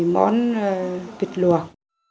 món vịt luộc